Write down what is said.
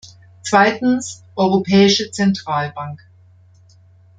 Zweitens, Europäische Zentralbank.